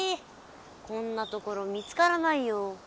こんなところ見つからないよ。